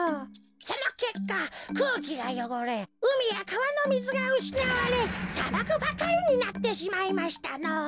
そのけっかくうきがよごれうみやかわのみずがうしなわれさばくばかりになってしまいましたのぉ。